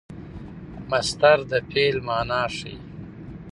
مصدر د فعل مانا ښيي.